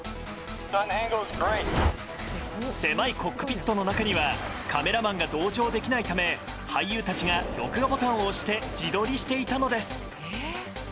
狭いコックピットの中にはカメラマンが同乗できないため俳優たちが録画ボタンを押して自撮りしていたのです。